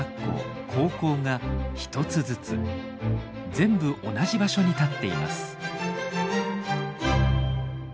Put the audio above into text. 全部同じ場所に立っています。